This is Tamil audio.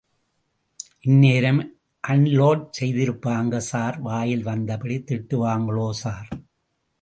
இந்நேரம்... அன்லோட் செய்திருப்பாங்க ஸார்... வாயில் வந்தபடி திட்டுவாங்களே ஸார்.